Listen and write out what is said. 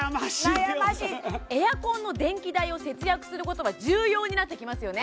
悩ましいエアコンの電気代を節約することは重要になってきますよね